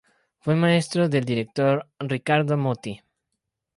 Fue maestro del director Riccardo Muti.